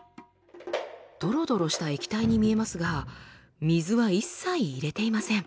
ドロドロした液体に見えますが水は一切入れていません。